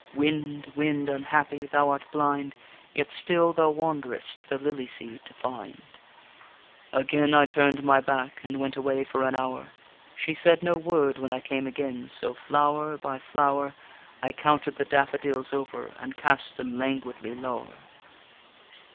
Wind, wind, unhappy! thou art blind, Yet still thou wanderest the lily seed to find._ Again I turn'd my back and went away for an hour; She said no word when I came again, so, flower by flower, I counted the daffodils over, and cast them languidly lower.